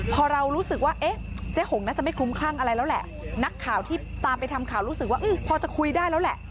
พอเรารู้สึกว่าเอ๊ะเจ๊หงน่าจะไม่คลุ้มคลั่งอะไรแล้วแหละนักข่าวที่ตามไปทำข่าวรู้สึกว่าพอจะคุยได้แล้วแหละ